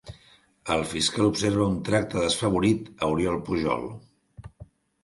El fiscal observa un tracte desfavorit a Oriol Pujol